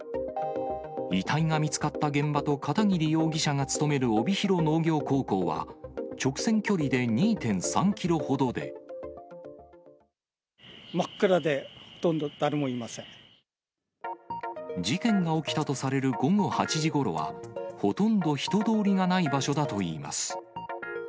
遺体が見つかった現場と、片桐容疑者が勤める帯広農業高校は、真っ暗で、事件が起きたとされる午後８時ごろは、ほとんど人通りがない場所だといいます。